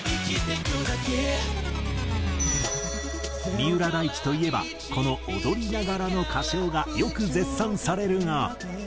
三浦大知といえばこの踊りながらの歌唱がよく絶賛されるが。